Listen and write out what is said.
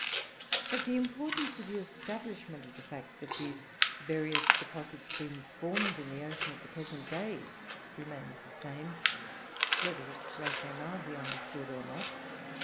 But the importance of the establishment of the fact that these various deposits are being formed in the ocean, at the present day, remains the same; whether its rationale be understood or not.